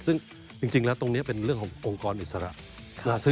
ซึ่งจริงแล้วตรงนี้เป็นเรื่องขององค์กรอิสระ